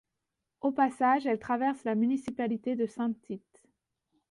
Au passage, elle traverse la municipalité de Saint-Tite.